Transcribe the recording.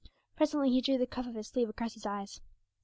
Presently he drew the cuff of his sleeve across his eyes.